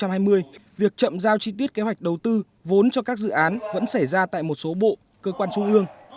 năm hai nghìn hai mươi việc chậm giao chi tiết kế hoạch đầu tư vốn cho các dự án vẫn xảy ra tại một số bộ cơ quan trung ương